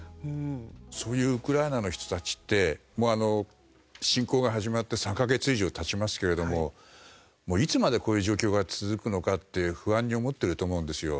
そういうウクライナの人たちってもう侵攻が始まって３カ月以上経ちますけれどももういつまでこういう状況が続くのかって不安に思ってると思うんですよ。